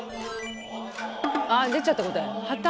あっ出ちゃった答え。